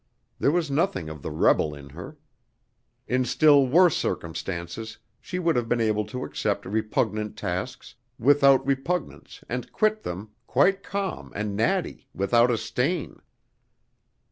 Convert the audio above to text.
There was nothing of the rebel in her. In still worse circumstances she would have been able to accept repugnant tasks without repugnance and quit them quite calm and natty, without a stain.